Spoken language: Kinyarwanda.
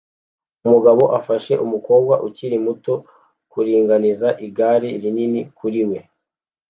Umugabo afasha umukobwa ukiri muto kuringaniza igare rinini kuri we